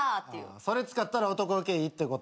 それ使ったら男受けいいってこと？